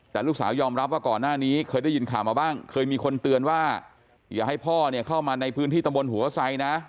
แต่ลูกสาวยอมรับว่าก่อนหน้านี้เคยได้ยินข่าวมาบ้างเคยมีคนเตือนว่าอย่าให้พ่อเนี่ยเข้ามาในพื้นที่ตะบนหัวไซนะ